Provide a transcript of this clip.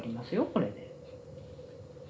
これで。